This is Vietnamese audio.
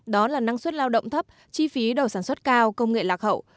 đó là năng suất lao động thấp chi phí đầu sản xuất cao công nghệ lạc hậu